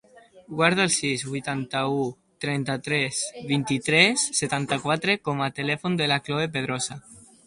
Guarda el sis, vuitanta-u, trenta-tres, vint-i-tres, setanta-quatre com a telèfon de la Chloe Pedrosa.